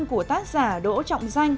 của tác giả đỗ trọng danh